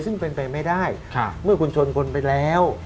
ซึ่งเป็นไปไม่ได้เมื่อคุณชนคนไปแล้ว